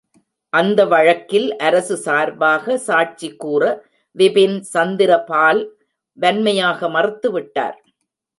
அந்த வழக்கில் அரசு சார்பாக சாட்சி கூற விபின் சந்திர பால் வன்மையாக மறுத்து விட்டார்.